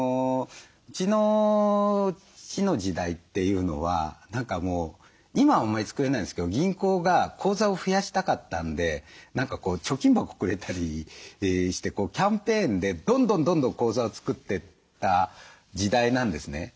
うちの父の時代っていうのは何かもう今はあんまり作れないんですけど銀行が口座を増やしたかったんで何か貯金箱くれたりしてキャンペーンでどんどんどんどん口座を作ってった時代なんですね。